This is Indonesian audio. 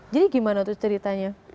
jadi bagaimana ceritanya